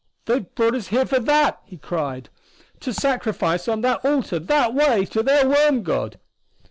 "They've brought us here for that!" he cried. "To sacrifice us on that altar that way to their worm god!"